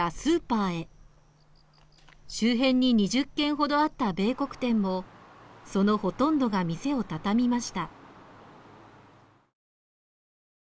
周辺に２０軒ほどあった米穀店もそのほとんどが店を畳みました。